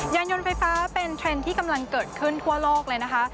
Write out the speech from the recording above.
ยานยนต์ไฟฟ้าเป็นเทรนด์ที่กำลังเกิดขึ้นทั่วโลกเลยนะคะ